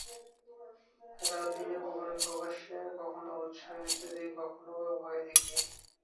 রাতে-দিনে, গোপনে-প্রকাশ্যে কখনো উৎসাহ দিয়ে, কখনো বা ভয় দেখিয়ে।